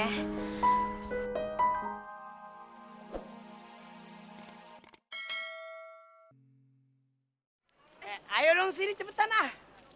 eh ayo dong sini cepetan ah